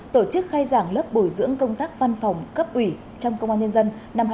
tổ chức khai giảng lớp bồi dưỡng công tác văn phòng cấp ủy trong công an nhân dân năm hai nghìn hai mươi bốn